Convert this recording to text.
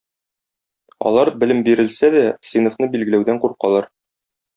Алар, белем бирелсә дә, сыйныфны бүлгәләүдән куркалар.